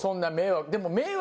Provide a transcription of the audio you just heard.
でも。